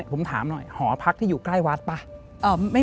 ผมถามหน่อยหอพักที่อยู่ใกล้วัดป่ะ